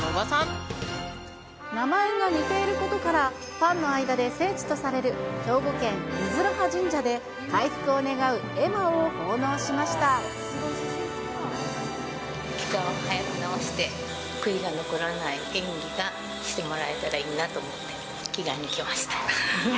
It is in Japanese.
名前が似ていることから、ファンの間で聖地とされる兵庫県ゆづるは神社で、回復を願う絵馬けがを早く治して、悔いの残らない演技をしてもらえたらいいなと思って、祈願に来ました。